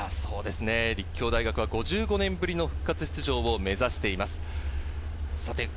立教大学は５５年ぶりの復活出場を目指しています。